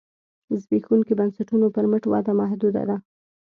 زبېښونکو بنسټونو پر مټ وده محدوده ده.